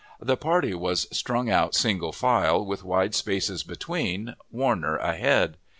The party was strung out, single file, with wide spaces between, Warner ahead.